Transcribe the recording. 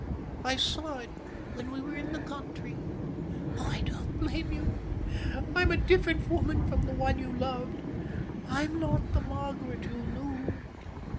I saw it when we were in the country. Oh, I don't blame you. I'm a different woman from the one you loved. I'm not the Margaret you knew."